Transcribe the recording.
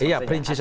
iya prinsip aset